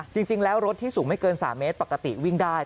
จริงแล้วรถที่สูงไม่เกิน๓เมตรปกติวิ่งได้